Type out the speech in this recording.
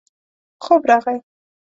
خوب راغی.